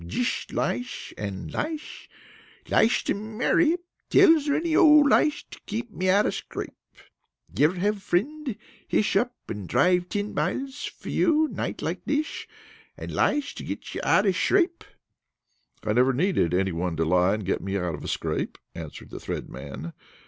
Jish liesh and liesh. Liesh to Mary. Tells her any old liesh to keep me out of schrape. You ever have frind hish up and drive ten milesh for you night like thish, and liesh to get you out of schrape?" "I never needed any one to lie and get me out of a scrape," answered the Thread Man.